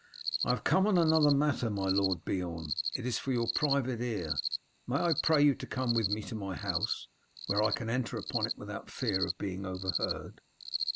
"I have come on another matter, my Lord Beorn. It is for your private ear. May I pray you to come with me to my house, where I can enter upon it without fear of being overheard?"